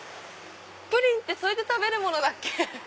プリンってそうやって食べるものだっけ？